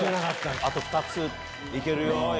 あと２ついけるよ。